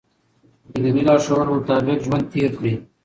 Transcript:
د دیني لارښوونو مطابق ژوند تېر کړئ.